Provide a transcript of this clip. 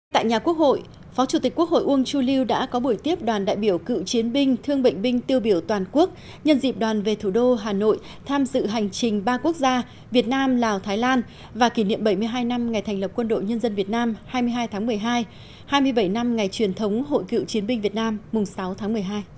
tại nhà quốc hội phó chủ tịch quốc hội uông chu lưu đã có buổi tiếp đoàn đại biểu cựu chiến binh thương bệnh binh tiêu biểu toàn quốc nhân dịp đoàn về thủ đô hà nội tham dự hành trình ba quốc gia việt nam lào thái lan và kỷ niệm bảy mươi hai năm ngày thành lập quân đội nhân dân việt nam hai mươi hai tháng một mươi hai hai mươi bảy năm ngày truyền thống hội cựu chiến binh việt nam mùng sáu tháng một mươi hai